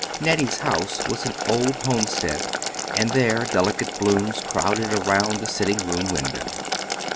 Nettie's house was an old homestead, and there delicate blooms crowded around the sitting room window.